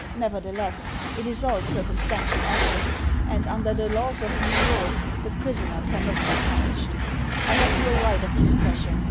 Nevertheless, it is all circtunstantial evidence, and under the laws of New York the prisoner cannot be punished. I have no right of discretion.